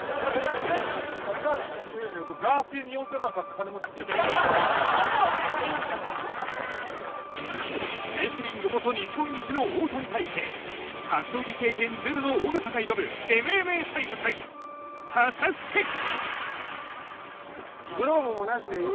いやいやレスリング元日本一の太田に対して格闘技経験ゼロの尾形が挑むＭＭＡ対決果たしてグローブもなしでいい？